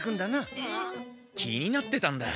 気になってたんだ。